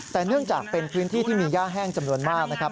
แต่เนื่องจากเป็นพื้นที่ที่มีย่าแห้งจำนวนมากนะครับ